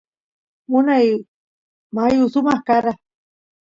unay mayu samaq kara